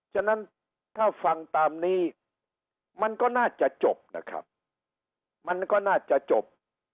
ฉะนั้นถ้าฟังตามนี้มันก็น่าจะจบนะครับมันก็น่าจะจบ